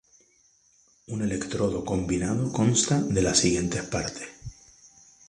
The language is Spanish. Un electrodo combinado consta de las siguientes partes.